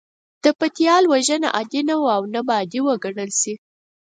د پتيال وژنه عادي نه وه او نه به عادي وګڼل شي.